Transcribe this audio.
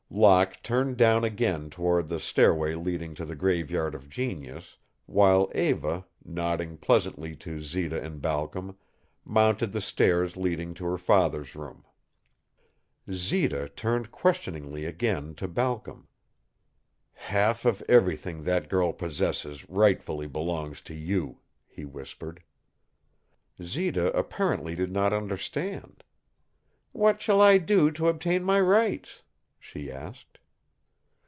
Locke turned down again toward the stairway leading to the Graveyard of Genius, while Eva, nodding pleasantly to Zita and Balcom, mounted the stairs leading to her father's room. Zita turned questioningly again to Balcom. "Half of everything that girl possesses rightfully belongs to you," he whispered. Zita apparently did not understand. "What shall I do to obtain my rights?" she asked.